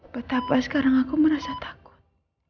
betapa sekarang aku merasa takut